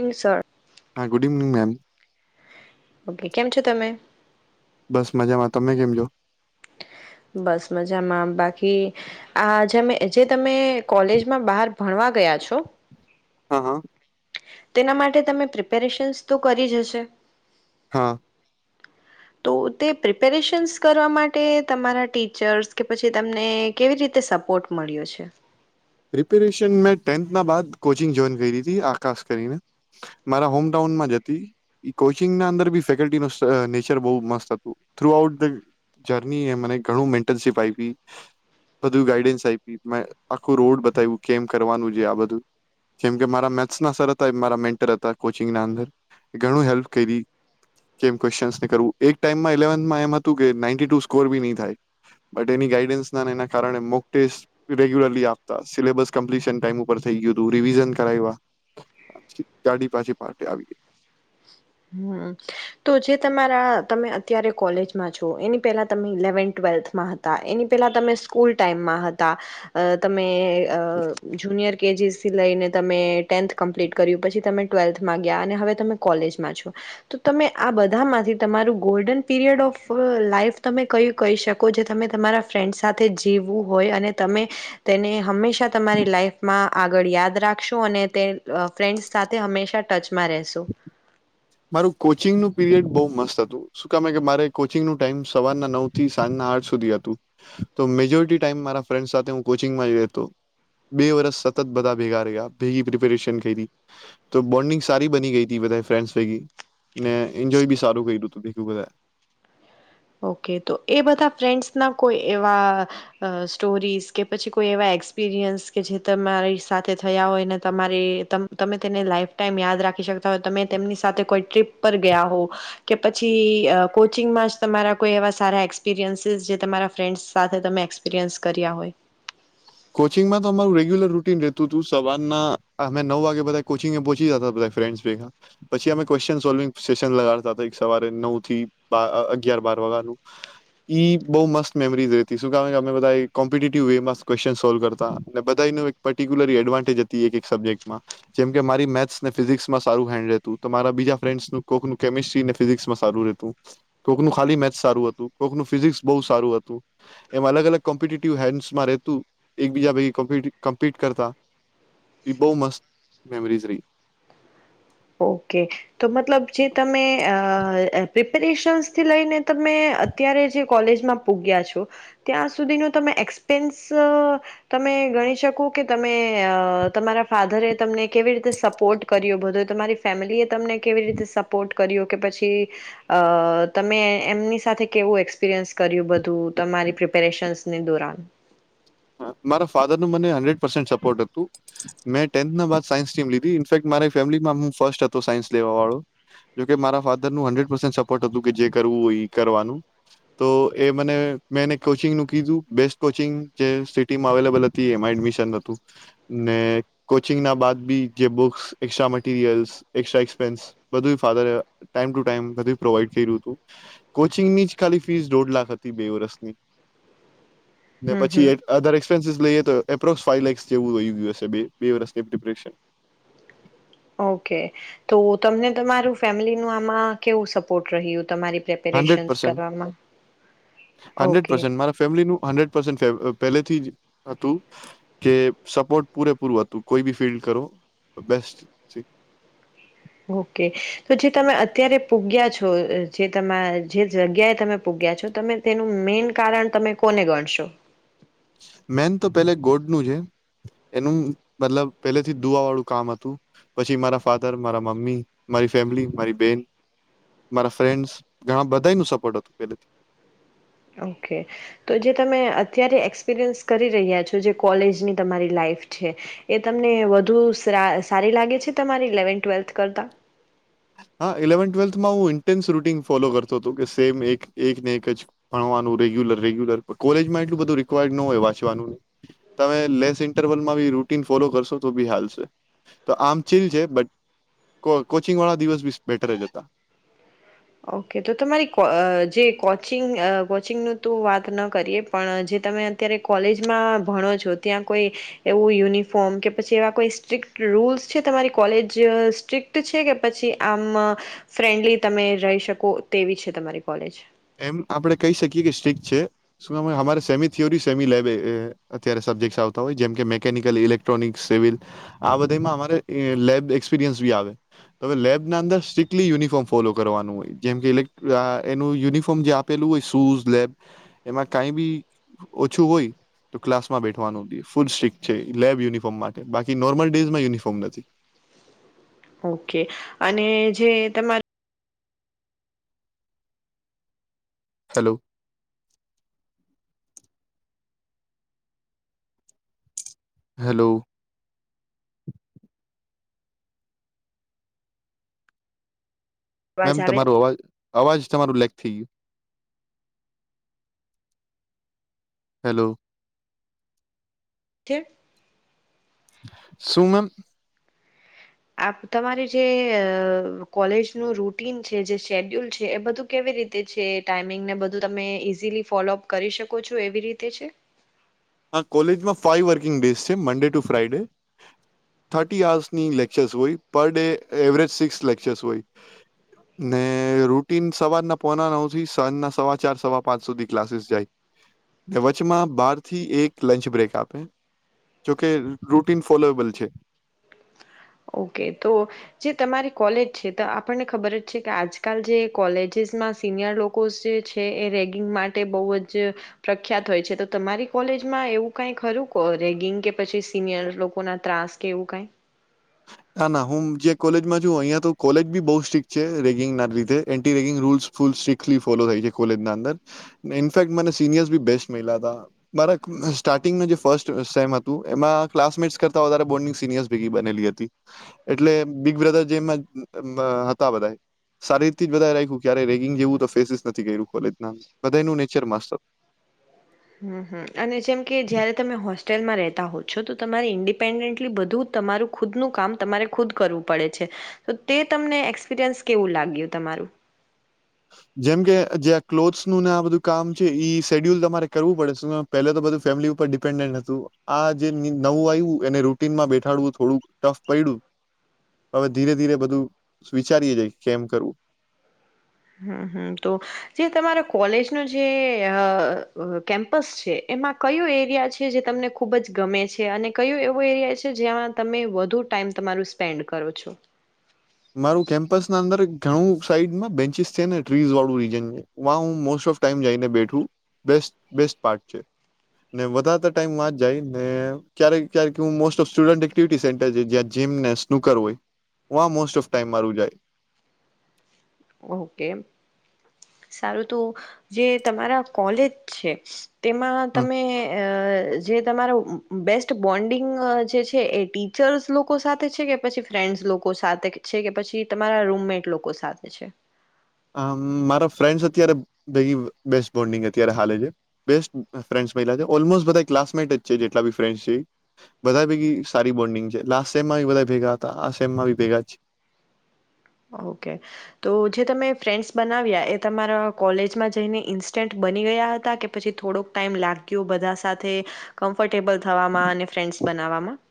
ઇનસટ હા good evening ma'am. Okay કેમ છો તમે? બસ મજામાં તમે કેમ છો? બસ મજામાં, બાકી આ જેમે જે તમે કોલેજમાં બહાર ભણવા ગયા છો હાં, હાં. તેના માટે તમે પ્રિપેરેશન્સ તો કરી જ હશે? હા. તો તે પ્રિપેરેશન્સ કરવા માટે તમારા ટીચર્સ કે પછી તમને કેવી રીતે સપોર્ટ મળ્યો છે? પ્રિપેરેશન મેં ટેન્થના બાદ કોચિંગ જોઈન કયરી તી આકાાસ કરીને, મારા હોમટાઉનમાં જ અતી, ઈ કોચિંગના અંદર બી ફેકલ્ટીના સ અ નેચર બઉ મસ્ત હતું, થુ આઉટ ધ જર્ની એ મને ઘણું મેન્ટરશીપ આયપી બધુ ગાઈડન્સ આયપીયુ મા ખુ રોડ બતાયવુ કેમ કરવાનું છે આ બધું. કેમ કે મારા મેથ્સ ના સર હતા મારા મેન્ટર હતા કોચિંગના અંદર ઘણું હેલ્પ કરી. કેમ કેશ્ચન કરું એક ટાઈમમાં ઈલેવન્થમાં એમ હતું કે નાન્તિ ટુ સ્કોર બી નહી થાય બટ એની ગાઈડન્સ નાના કારણે મોક ટેસ્ટ રેગ્યુલરલી આપ સિલેબસ કમ્પ્લીશન ટાઈમ ઉપર થઈ ગયું હતું રિવિઝન કરાયવાં પાડી પાછી પાકે આવી. હમ્મ, તો જે તમારા તમે અત્યારે કોલેજમાં છો એની પહેલા તમે ઇલેવન ટ્વેલ્થમાં હતા, એની પહેલા તમે સ્કૂલ ટાઈમમાં હતા. અ તમે જુનિયર કે જી સી લઈને તમે ટેન્થ કમ્પ્લીટ કર્યું પછી તમે ટ્વેલ્થમાં ગયા અને હવે તમે કોલેજમાં છો. તો તમે આ બધામાંથી તમારું ગોલ્ડન પીરિયડ ઓફ લાઈફ તમે કયું કહી શકો જે તમે તમારા ફ્રેન્ડસ સાથે જીવવું હોય અને તમે તેને હંમેશા તમારી લાઈફમાં આગળ યાદ રાખશો અને તે ફ્રેન્ડસ સાથે હંમેશા ટચમાં રહેશો. મારું કોચિંગનું પીરિયડ બહુ મસ્ત હતું. શું કમે કે મારે કોચિંગનું ટાઈમ સવારના નવ થી સાંજના આઠ સુધી હતું તો મેજોરિટી ટાઈમ મારા ફ્રેન્ડ સાથે હું કોચિંગમાંતો બે વર્ષ સતત બધા ભેગા રહ્યા ભેગી પ્રપેરેશન તો બોન્ડિંગ સારી બની ગઈ હતી બધા ફ્રેન્ડ્સ થઈ ગયું ને એન્જોય બી સારું કર્યું હતું ભી બધા એ. ઓકે તો એ બધા ફ્રેન્ડ્સ ના કોઈ એવા અ સ્ટોરીઝ કે પછી કોઈ એવા એક્સપિરિયન્સ કે જે તમારી સાથે થયા હોયને તમારે તમે તેને લાઈફ ટાઈમ યાદ રાખી શકતા હોય તમે તેમની સાથે કોઈ ટ્રીપ પર ગયા હો કે પછી કોચિંગમાં તમારા કોઈ એવા સારા એક્સપિરિયન્સીસ જે તમારા ફ્રેન્ડ્સ સાથે તમે એક્સપિરિયન્સ કર્યા હોય. કોચિંગમાં તો અમારું રેગ્યુલર રુટીન રહેતું હતું. સવારના અમે નવ વાગે બધા કોચિંગ પહોંચી જ હતા ફ્રેન્ડ ભેગા પછી અમે ક્વન સોલ્વિંગ સેશન લગાડતા સવારે નવ થી અગયાર બાર વાગનું ઈ બવ મસ્ત મેમરીઝ રતી કેમેધ કોમ્પિ વે. ક્વ્ન સોલ્વ કરતા અને બધાનું એક પર્ટિક્યુલરી એડવાન્ટેજ હતી એક સબ્જેક્ટમાં. જેમ કે મારી મેથ્સ ને ફિઝિક્સમાં સારું હેન્ડ રહેતું, તો મારા બીજા ફ્રેન્ડસનું કોકું કેમિસ્ટ્રીને ફિઝિક્સમાં સારું રહેતું, કોકનું ખાલી મેથ્સ સારું હતું, કોકનું ફિઝિક્સ બહુ સારું હતુ. એમ અગ અલગ કોમ્પિટેટિવ હેન્ડસમાં એક બીજા પ કમ્પીટ કરતા એ બહ મસ્ત મેમરીઝ રહી. ઓકે તો મતલબ જે તમે અ પ્રિપરેશન્સથી લઈને તમે અત્યારે જે કોલેજમાં પૂગ્યા છો ત્યાં સુધીનો તમે એક્સપેન્સ તમે ગણી શકો કે તમે તમારા ફાધરે તમને કેવી રીતે સપોર્ટ કર્યો બધો તમારી ફેમિલી એ તમને કેવી રીતે સપોર્ટ કર્યો કે પછી અ તમે એમની સાથે કેવું એક્સપિરિયન્સ કર્યું બધું તમારી પ્રિપેરેશન્સની દોરાન. મારા ફાધરનું મને હન્ડ્રેડ પર્સે સપોર્ટ હતું. મેં ટેન્થના બા સાયન્સ ટમ લીધી ઇન્ફેક્ટ મારી ફેમિલીમાં હું ફર્સ્ટ હતો સાયન્સ લેવા વાળો જોકે મારા ફાધરનું હન્ડ્રેડ પર્સેન્ટ સપોર્ટ હતું કે જે કરવું હોય કરવાનું. તો એ મને મેં કોચિંગનું કીધું બેસ્ટ કોચિંગ જે સીટીમાં અવેલેબલ હતી એમાં એડમિશન હતું. ને કોચિંગ ના બાદ બી જે બુક્સ એક શાહ મટીરયલ્સ, એક્સ્ટ્રા એક્સપેન્ડ ફધ ટમ ટુ ટમ પ્રોવાઈડ કર્યું કોચિંગની ખાલી ફીસ દોઢ લાખ હતી બે વર્ષની. હમ પછી હમ એક અ દરે [unintelligible] એ તો એપ્રોક્સ ફાઇવ લેક્સ જેવું ગયું હશે બે વર્ષ ડિપ્રેશન. ઓકે તો તમને તમારું ફેમિલી નું આમાં કેવું સપોર્ટ રહ્યું? તમારી હંડ્રેડ પ્રેપેરેશન્સ પર્સન, કરવામાં હંડ્રેડ ઓકે પર્સન મારા ફેમિલીનું હંડ્રેડ પર્સન કે અ પહેલેથી જ હતું કે સપોર્ટ પૂરેપૂરું હતું કોઈ બી ફિલ્ડ કરો બેસ્ટ ઓકે તો જે તમે અત્યારે પૂગ્યા છો જે તમા જે જગ્યાએ તમે પૂગ્યા છો. તમે તેનું મેન કારણ તમે કોને ગણશો? મેન તો પહે ગોડનું છે. એનું મતલબ પહેલેથી દુવા વાળું કામ હતું. પછી મારા ફાધર, મારા મમ્મી, મારી ફેમિલી, મારી બેન, મારા ફ્રેન્ડસ ઘણા બધા નું સપોર્ટ હતું પેલેથી. ઓકે તો જે તમે અત્યારે એક્સપિરિયન્સ કરી રહ્યા છો જે કોલેજની તમારી લાઈફ છે એ તમને વધુ સા સારી લાગે છે તમારી ઇલેવન્થ ટ્વેલ્થ કરતાં? હા ઇલેવન ટ્વેલ્થમાં ઉં ઇન્ટેન્સ રૂટીન ફોલો કરતો તો કે સેમ એક એક ને એક જ ભણવાનું રેગ્યુલર રેગ્યુલર કો કોલેજમાં એટલું બધું રિકવાયર્ડ ન હોય વાંચવાનું તમે લેસ ઇન્ટરવલમાં બી રૂટીન ફોલો કરશો તો બી હાલસે તો આમ ચીલ છે બટ કો કોચ ચિંગ વાળા દિવસ બી સ બેટર જ અતા ઓ કે તો તમારી કો અ જે કોચિંગ કોચિંગનું તુ વાત ન કરીએ પણ જે તમે અત્યારે કોલેજમાં ભણો છો ત્યાં કોઈ એવું યુનિફોર્મ કે પછી એવા કોઈ સ્ટ્રિક્ટ રૂલ્સ છે તમારી કોલેજ સ્ટ્રિક્ટ છે કે પછી આમ ફ્રેન્ડલી તમે રહી શકો તેવી છે તમારી કોલેજ એમ આપણે કહી શકીએ કે સ્ટ્રીક છે, શું હમારે સેમી થિયોરી સેમી લેબ એ એ અત્યારે સબ્જેક્ટ્સ આવતા હોય જેમ કે મેકેનિકલ, ઇલેક્ટ્રોનિક્સ, સિવિલ આ બધેયમાં અમારે એ લેબ એક્સપિરિયન્સ બી આવે, તો અવે લેબના અંદર સ્ટ્રિકક્ટલી યુનિફોર્મ ફોલો કરવાનું હોય જેમ કે ઇલેક્ આ એનું યુનિફો ફોર્મ જે આપેલું હોય શુઝ લેબ એમાં કાંઈ બી ઓછું હોય તો ક્લાસમાં બેઠવાનું [unintelligible] ફૂલ સ્ટ્રીક છે લેબ યુનિફોર્મ માટે, બાકી નોર્મલ ડેઝમાં યુનિફોર્મ નથી. ઓ કે અને જે તમાર હલો. હલો. અવાજ મેમ આવે તમારો અવાજ અવાજ તમારું લેક થઈ ગયું હેલો. ઠેમ શું મેમ? આપ તમારી જે અ કોલેજનું રૂટીન છે જે શેડ્યુલ છે એ બધું કેવી રીતે છે ટાઈમિંગને બધું તમે ઈઝીલી ફોલોઅપ કરી શકો છો એવી રીતે છે? હા કોલેજમાં ફાઈવ વર્કિંગ ડેસ છે, મંડે ટુ ફ્રાઈડે, થર્ટી આર્સની લેક્ચર્સ હોય per day average six lectures હોય ને રૂટીન સવારના પોના નવ થી સાંજના સવા ચાર સવા પાંચ સુધી ક્લાસીસ જાય ને વચમાં બાર થી એક લંચ બ્રેક આપે, જોકે રૂટીન ફોલોએબલ છે. ઓ કે તો જે તમારી કોલેજ છે તો આપણને ખબર જ છે કે આજકાલ જે કોલેજિસમાં સિનિયર લોકો જે છે એ રેગિંગ માટે બઉ જ પ્રખ્યાત હોય છે, તો તમારી કોલેજમાં એવું કંઈ ખરું કો રેગિંગ કે પછી સિનિયર લોકોના ત્રાસ કે એવું કાંઈ? ના, ના, હું જે કોલેજમાં છું અઈયા તો કોલેજ બી બઉ સ્ટ્રીક્ટ છે રેગિંગના લીધે anti ragging rules full strictly follow થાય છે કોલેજનાં અંદર ને ઇનફેક્ટ મને સિનિયર્સ બી બેસ્ટ મયલા તા, મારા ક સ્ટાર્ટિંગનું જે ફર્સ્ટ સેમ હતું એમાં ક્લાસમેટ્સ કરતા વધારે બોંન્ડિંગ સિનિયર્સ ભેગી બનેલી અ તી એટલે બિગ બ્રધર જેમ જ મ હતા બધાય સારી રીતથી જ બધાએ રાયખુ કયારેય રેગિંગ જેવું તો ફેસીસ નથી કયરુ કોલેજના બધયનું નેચર મસ્ત અ હમ્મ, હમ્મ અને જેમ કે જયારે તમે હોસ્ ટેલમાં રેતા હો છો તો તમારે ઇન્ડિપેન્ડન્ટલી બધું તમારું ખુદનું કામ તમારે ખુદ કરવું પડે છે, તો તે તમને એક્સપિરિયન્સ કેવું લાગ્યું તમારું? જેમ કે જે આ ક્લોથસનુંને આ બધું કામ છે ઈ શેડ્યુલ તમારે કરવું પડે શું કામ પેલે તો બધું ફેમિલી ઉપર ડિપેન્ડન્ટ અતું, આ જે ની નવું આયવુ એને રૂટીનમાં બેઠાડવું થોડું ટફ પયડુ હવે ધીરે ધીરે બધું વિચારીએ છે કેમ કરવું હમ્મ હમ્મ તો જે તમારા કોલેજનો જે અ કેમ્પસ છે એમાં કયુ એરિયા છે જે તમને ખૂબ જ ગમે છે અને કયો એવો એરિયા છે જ્યાંમાં તમે વધુ ટાઈમ તમારું સ્પેન્ડ કરો છો? મારું કેમ્પસના અંદર એક ઘણું સાઈડમાં બેન્ચિસ છે ને ટ્રીઝવાળું રીજન જે વા હું મોસ્ટ ઓફ ટાઈમ જ બેઠું. બેસ્ટ બેસ્ટ પાર્ટ છે ને વધાર ટાઈમ વા જ જાય ને ક્યારે ક્યારેક હું most of student activity centre જઈ જ્યાં જીમ ને સ્નુકર હોય વા મોસ્ટ ઓફ ટાઈમ મારું જાય. ઓકે, સારું તો જે તમારા કોલેજ છે તેમાં તમે અ જે તમારો બેસ્ટ બોન્ડિંગ જે છે એ ટીચર્સ લોકો સાથે છે કે પછી ફ્રેન્ડ્સ લોકો સાથે છે કે પછી તમારા રૂમમેટ લોકો સાથે છે? આમ મારા ફ્રેન્ડસ અત્યારે ભઈ બેસ્ટ બોન્ડિંગ અત્યારે હાલે છે બેસ્ટ ફ્રેન્ડ્સ માળિયા છે ઓલમોસ્ટધ ક્લાસમેટ છે જે બી ફ્રેન્ડ છે બધા ભેગ સારી બોન્ડિંગ છે લાસ્ટ સેમમાં બધા ભેગા હતા આ સેમમાં બી ભેગા છે. ઓકે તો જે તમે ફ્રેન્ડ્સ બનાવ્યા એ તમારા કોલેજમાં જઈને ઇન્સ્ટન્ટ બની ગયા હતા કે પછી થોડોક ટાઈમ લાગ્યો બધા સાથે કમ્ફર્ટેબલ થવામાં અને ફ્રેન્ડ્સ બનાવવામાં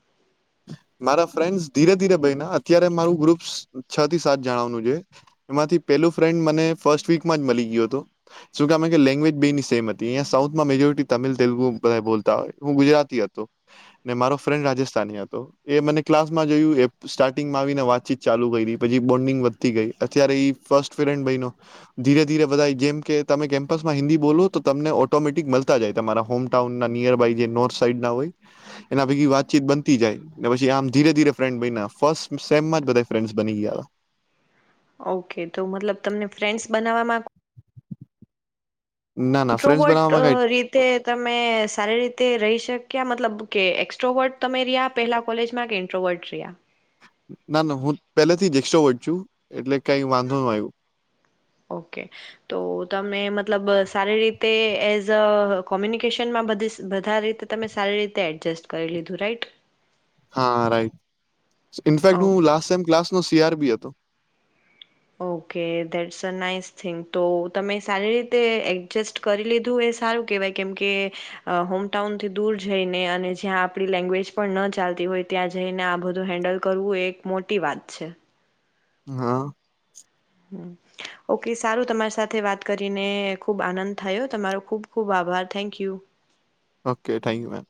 મારા ફ્રેન્ડ ધીરે ધીરે બન્યાં અત્યારે મારું ગ્રુપ છ થી સાત જણવાનું છે એમાંથી પેલું ફ્રેન્ડ મને ફસ્ટ વીકમાં જ મળી ગયયો હતો. જોકે આમાં લેંગ્વેજ બેની સેમ હતી અહીંયા સાઉથમાં મેજોરિટી તમિલ, તેલુગુ બધાએ બોલતા હોય હું ગુજરાતી હતો ને મારો ફ્રેન્ડ રાજસ્થાની હ તો એ મને ક્લાસમાં જોયું એ સ્ટાર્ટિંગમાં આવીને વાતચીત ચાલુ કરી પછી બોન્ડિંગ વધતી ગઈ અત્યારે એ ફર્સ્ટ ફ્રેન્ડ બન્યો ધીરે ધીરે બધ જેમ કે તમે કેમ્પસમાં હિન્દી બોલો તો તમને ઓટોમેટિક મળતા જાય તમારા હોમ ટાઉન ના નિયર બાય જે નોર્થ સાઈડ ના હોય એના બેગી વાતચીત બનતી જાય તો પછી આમ ધીરે ધીરે ફ્રેન્ડસ બન્યાં ફર્સ્ટ સેમમાં તરત ફ્રેન્ડસ બની ગયાતા. ઓકે તો મતલબ તમને ફ્રેન્ડ્સ બનાવવામાં ના ના ફ્રેન્ડ્સ રોબોટ બનાવવામાં કાઈ રીતે તમે સારી રીતે રહીશ શક્યા મતલબ કે એક્સ્ટ્રાવોર્ડ તમે રહ્યા પહેલા કોલેજમાં કે ઇન્ટ્રોવર્ડ રહ્યા? ના ના હું પેલાથી જ એક્સ્ટ્રાવોર્ડ છુ એટલે કઈ વાંધો ન આવ્યો. ઓકે તો તમે મતલબ સારી રીતે એઝ અ કોમ્યુનિકેશનમાં બધે સ વધારે રીતે તમે સારી રીતે એડજસ્ટ કરી લીધું. રાઈટ? હા, રાઈટ. ઇનફેક્ટ હું લાસ્ટ સેમ ક્લાસ નો સીઆરભી હતો. ઓકે, ધેટ સઅ નાઈસ થિંક તો તમે સારી રીતે એડજસ્ટ કરી લીધું એ સારું કેહેવાય કેમકે હોમટાઉનથી દૂર જઈને અને જ્યાં આપણી લેંગ્વેજ પણ ન ચાલતી હોય ત્યાં જઈને આ બધું હેન્ડલ કરવું એ એક મોટી વાત છે. હા. ઓકે, સારું તમારી સાથે વાત કરીને ખુબ આનંદ થયો. તમારો ખુબ ખુબ આભાર. Thank you! Okay, thank you ma'am.